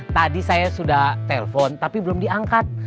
tadi saya sudah telpon tapi belum diangkat